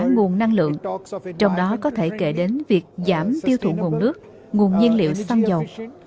nguồn năng lượng trong đó có thể kể đến việc giảm tiêu thụ nguồn nước nguồn nhiên liệu xăng dầu